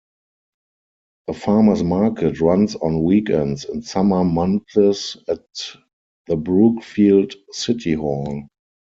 A farmers market runs on weekends in summer months at the Brookfield City Hall.